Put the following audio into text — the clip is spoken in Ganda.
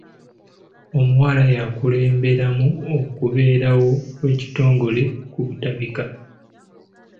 Omuwala yakulemberamu okubeerawo kw'ekitongole ku butaka.